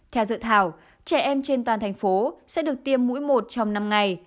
theo dự thảo trẻ em trên toàn thành phố sẽ được tiêm mũi một trong năm ngày